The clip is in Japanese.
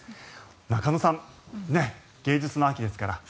中野さん、芸術の秋ですから。